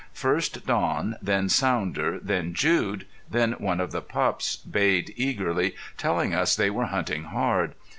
First Don, then Sounder, then Jude, then one of the pups bayed eagerly, telling us they were hunting hard.